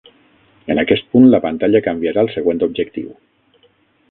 En aquest punt, la pantalla canviarà al següent objectiu.